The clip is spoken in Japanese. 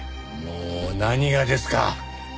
もう何がですか？